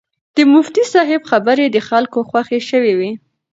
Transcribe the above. د مفتي صاحب خبرې د خلکو خوښې شوې وې.